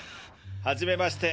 はじめまして。